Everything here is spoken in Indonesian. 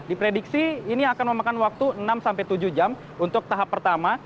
diprediksi ini akan memakan waktu enam sampai tujuh jam untuk tahap pertama